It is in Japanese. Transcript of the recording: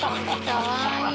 かわいい。